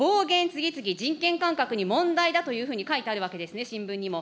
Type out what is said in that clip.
次々、人権感覚に問題だというふうに書いてあるわけですね、新聞にも。